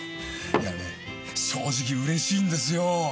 いやね正直嬉しいんですよ。